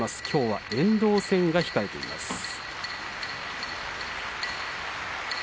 きょうは遠藤戦が控えています。